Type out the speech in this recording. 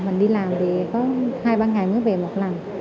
mình đi làm thì có hai ba ngày mới về một lần